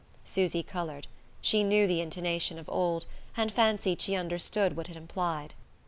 Susy coloured: she knew the intonation of old, and fancied she understood what it implied.